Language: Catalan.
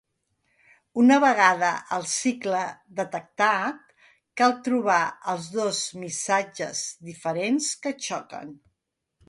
Una vegada el cicle detectat, cal trobar els dos missatges diferents que xoquen.